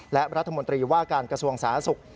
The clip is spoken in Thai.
และรัฐมนตรีว่าการกระทรวงสาธารณสุข